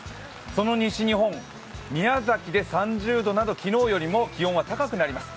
その西日本、宮崎で３０度など昨日よりも気温は高くなります。